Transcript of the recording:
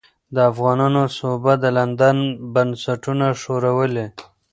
د افغانانو سوبه د لندن بنسټونه ښورولې.